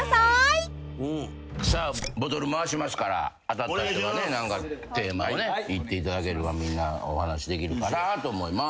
さあボトル回しますから当たった人がね何かテーマを言っていただければみんなお話できるかと思います。